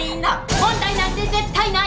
問題なんて絶対ない！